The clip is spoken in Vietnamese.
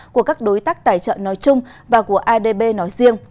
của các đối tác tài trợ nói chung và của adb nói riêng